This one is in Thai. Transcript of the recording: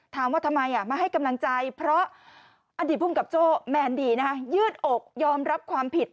ถามว่าทำไมอย่างให้กำลังใจเพราะอดีตพรุ่งกับโจ้แหมนดีแล้วยืจออกรับความผิด